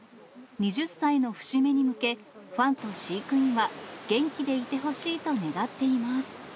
２０歳の節目に向け、ファンと飼育員は元気でいてほしいと願っています。